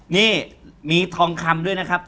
นี่มีทองคำด้วยนะครับ